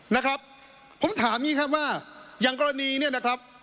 นะครับผมถามงี้ครับว่าอย่างกรณีนี้นะครับ